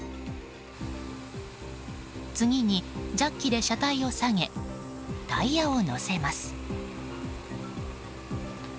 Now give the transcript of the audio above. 次にジャッキで車体を下げタイヤを乗せます。